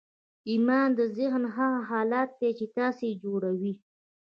ایمان د ذهن هغه حالت دی چې تاسې یې جوړوئ